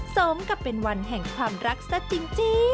สมกับเป็นวันแห่งความรักซะจริง